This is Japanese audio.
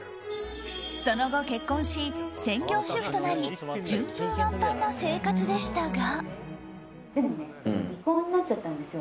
その後結婚し、専業主婦となり順風満帆な生活でしたが。